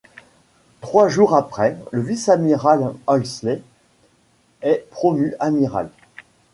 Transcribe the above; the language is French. Trois jours après, le vice-amiral Halsey est promu amiral.